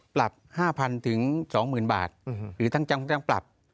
ปรับ๕๐๐๒๐๐๐บาทหรือทั้งจำทั้งปรับ